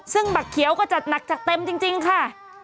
ซึ่งบักเขียวก็จัดหนักจัดเต็มจริงค่ะ